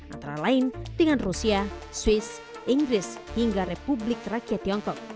antara lain dengan rusia swiss inggris hingga republik rakyat tiongkok